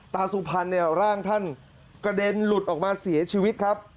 สุพรรณเนี่ยร่างท่านกระเด็นหลุดออกมาเสียชีวิตครับ